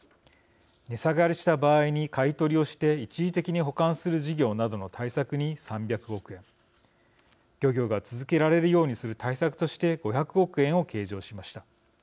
値下がりした場合に買い取りをして一時的に保管する事業などの対策に３００億円漁業が続けられるようにする対策として５００億円を計上しました。